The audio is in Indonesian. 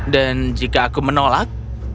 dan jika aku menolak